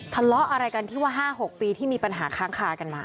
ทะเลาะอะไรกันที่ว่า๕๖ปีที่มีปัญหาค้างคากันมา